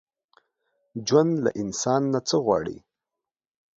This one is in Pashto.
ژوند له انسان نه څه غواړي؟